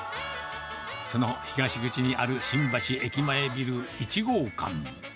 その東口にある新橋駅前ビル１号館。